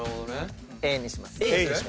Ａにします。